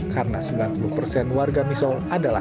karena sembilan puluh persen warga misol adalah